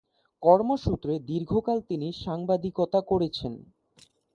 কর্মসূত্রে দীর্ঘকাল তিনি সাংবাদিকতা করেছেন।